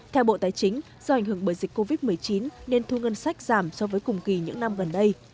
theo bộ tài chính do ảnh hưởng bởi dịch covid một mươi chín nên thu ngân sách giảm so với cùng kỳ những năm gần đây